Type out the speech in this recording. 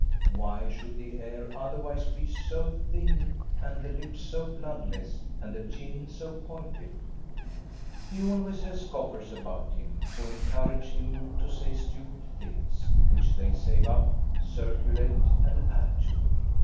Why should the hair otherwise be so thin and the lips so bloodless and the chin so pointed ?" He always has scoffers about him, who encourage him to say stupid things, which they save up, circu late, and add to.